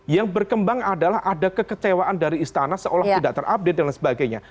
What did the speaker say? yang berkembang adalah ada kekecewaan dari istana seolah tidak terupdate dan lain sebagainya